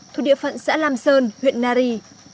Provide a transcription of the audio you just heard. thuộc địa phận xã lam sơn huyện nari